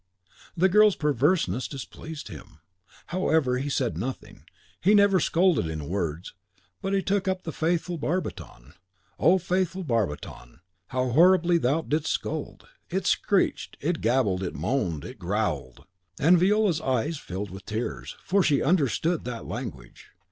The girl's perverseness displeased him. However, he said nothing, he never scolded in words, but he took up the faithful barbiton. Oh, faithful barbiton, how horribly thou didst scold! It screeched, it gabbled, it moaned, it growled. And Viola's eyes filled with tears, for she understood that language.